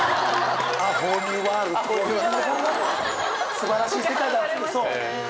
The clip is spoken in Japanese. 素晴らしい世界だ！って。